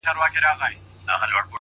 • هغه به خپل زړه په ژړا وویني ـ